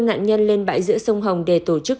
nạn nhân lên bãi giữa sông hồng để tổ chức